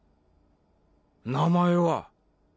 名前は？